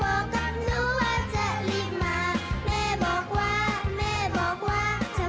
พ่อกลับบ้านพ่อกลับบ้าน